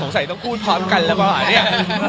สงสัยต้องพูดพร้อมกันแล้วเปล่าหรอเนี่ย